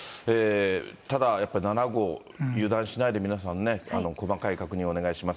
ただやっぱり、７号、油断しないで皆さんね、細かい確認お願いします。